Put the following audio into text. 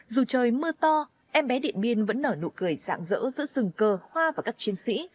dù trời mưa to em bé điện biên vẫn nở nụ cười dạng dỡ giữa rừng cờ hoa và các chiến sĩ